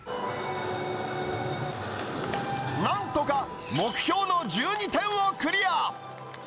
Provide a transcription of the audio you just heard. なんとか目標の１２点をクリア。